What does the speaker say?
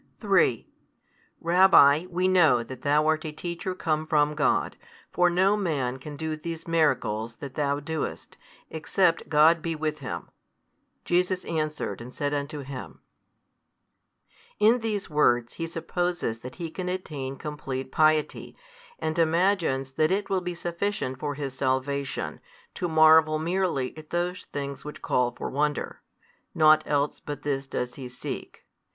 |167 3, Rabbi, we know that Thou art a Teacher come from God; for no man can do these miracles that Thou doest, except God be with him. Jesus answered and said unto him In these words he supposes that he can attain complete piety, and imagines that it will be sufficient for his salvation, to marvel merely at those things which call for wonder: nought else but this does he seek.